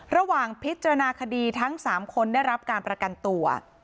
ระหว่างพิจารณาคดีทั้ง๓คนได้รับการประกันตัว